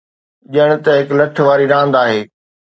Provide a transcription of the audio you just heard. ڄڻ ته هڪ لٺ واري راند آهي.